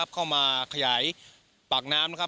เข้ามาขยายปากน้ำ